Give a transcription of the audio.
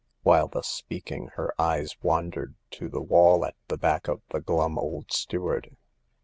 While thus speaking, her eyes wandered to the wall at the back of the glum old steward.